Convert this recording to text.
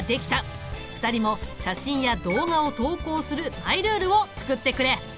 ２人も写真や動画を投稿するマイルールを作ってくれ。